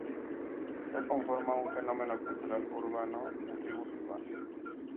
Ya conforma un fenómeno cultural urbano, de tribus urbanas.